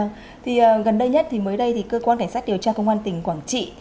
thì gần đây nhất thì mới đây thì cơ quan cảnh sát điều tra công an tỉnh quảng trị